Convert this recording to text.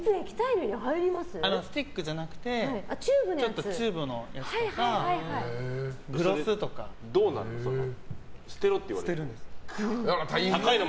スティックじゃなくてちょっとチューブのやつとか捨てろって言われるの？